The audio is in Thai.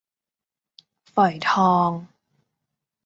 ฝอยทอง